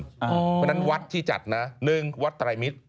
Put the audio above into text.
เพราะฉะนั้นวัดที่จัดนะ๑วัดไตรมิตร